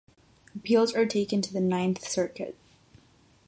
Appeals are taken to the Ninth Circuit.